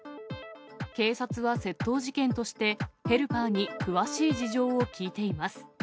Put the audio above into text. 警察は窃盗事件として、ヘルパーに詳しい事情を聴いています。